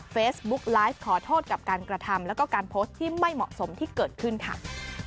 เฟซบุ๊กไลฟ์ขอโทษกับการกระทำแล้วก็การโพสต์ที่ไม่เหมาะสมที่เกิดขึ้นค่ะ